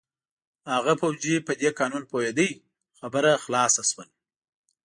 هغه پوځي په دې قانون پوهېده، خبره خلاصه شول.